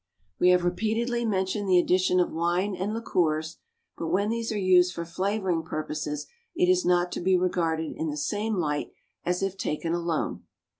We have repeatedly mentioned the addition of wine and liqueurs; but when these are used for flavouring purposes it is not to be regarded in the same light as if taken alone.